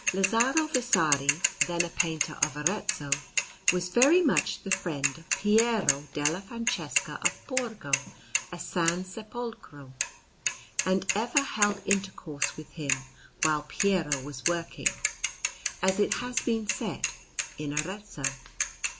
Lazzaro Vasari, then, a painter of Arezzo, was very much the friend of Piero della Francesca of Borgo a San Sepolcro, and ever held intercourse with him while Piero was working, as it has been said, in Arezzo.